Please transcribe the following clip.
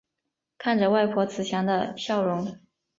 看着外婆慈祥的笑容